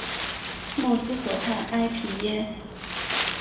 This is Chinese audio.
默斯河畔埃皮耶。